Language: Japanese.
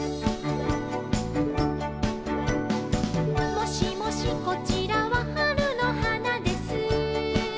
「もしもしこちらははるのはなです」